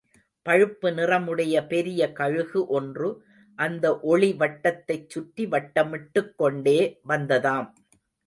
பழுப்பு நிறமுடைய பெரிய கழுகு ஒன்று அந்த ஒளி வட்டத்தைச் சுற்றி வட்டமிட்டுக் கொண்டே, வந்ததாம்.